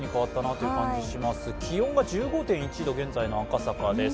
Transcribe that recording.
気温が１５．１度、現在の赤坂です。